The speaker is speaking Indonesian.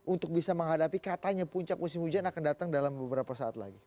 untuk bisa menghadapi katanya puncak musim hujan akan datang dalam beberapa saat lagi